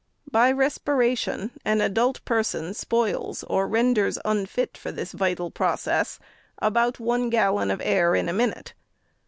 By respiration, an adult person spoils, or renders unfit for this vital process, about one gallon of air in a minute.